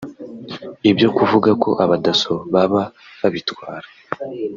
ibyo kuvuga ko Abadasso baba babitwara